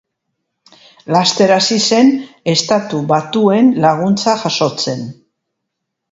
Laster hasi zen Estatu Batuen laguntza jasotzen.